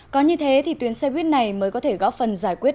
có như thế thì tuyến xe buýt này mới có thể góp phần giải quyết